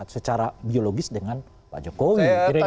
secara biologis dengan pak jokowi